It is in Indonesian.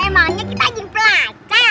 emangnya kita ingin pelajar